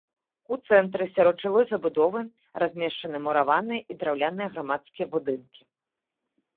У цэнтры сярод жылой забудовы размешчаны мураваныя і драўляныя грамадскія будынкі.